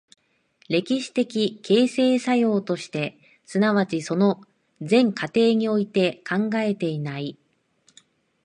歴史的形成作用として、即ちその全過程において考えていない。